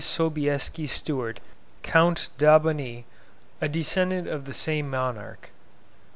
Sobieski Stuart, Count d'Albanie, a descendant of the same monarch.